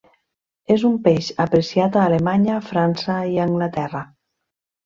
És un peix apreciat a Alemanya, França i Anglaterra.